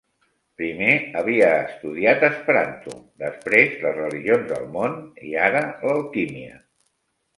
Primer, havia estudiat esperanto, després les religions del món i ara l'alquímia.